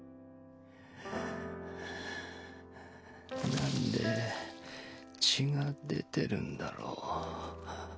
なんで血が出てるんだろう。